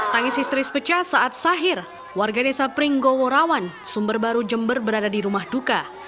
tangis istri sepecah saat sahir warga desa pringgo worawan sumber baru jember berada di rumah duka